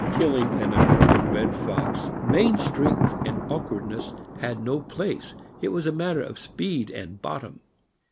killing an American red fox main strength and awkward ness had no place — it was a matter of speed and bottom.